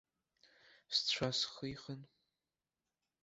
Сцәа схихын.